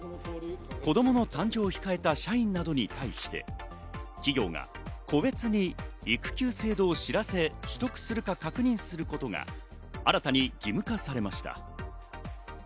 子供の誕生を控えた社員などに対しても企業が個別に育休制度を知らせ、取得するか確認することが新たに義務化されました。